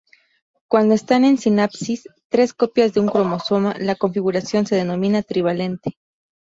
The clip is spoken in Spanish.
Cuando están en sinapsis tres copias de un cromosoma, la configuración se denomina trivalente.